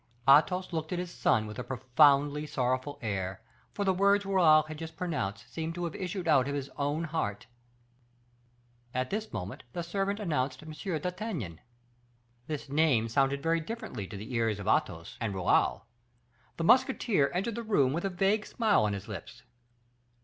Athos looked at his son with a profoundly sorrowful air, for the words Raoul had just pronounced seemed to have issued out of his own heart. At this moment the servant announced M. d'Artagnan. This name sounded very differently to the ears of Athos and Raoul. The musketeer entered the room with a vague smile on his lips.